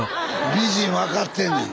美人分かってんねん。